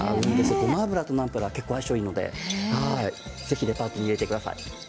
ごま油とナムプラーは相性がいいのでぜひレパートリーに入れてください。